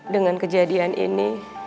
dengan kejadian ini